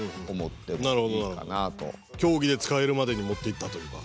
競技で使えるまでに持っていったというか。